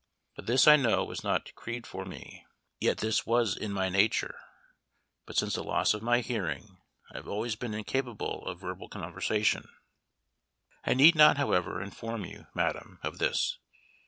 But this I knew was not decreed for me "'Yet this was in my nature ' but since the loss of my hearing I have always been incapable of verbal conversation. I need not, however, inform you, madam, of this.